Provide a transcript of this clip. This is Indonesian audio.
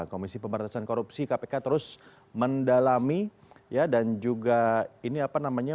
komisi pemberantasan korupsi kpk terus mendalami ya dan juga ini apa namanya